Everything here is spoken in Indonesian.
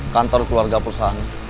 kantor keluarga perusahaan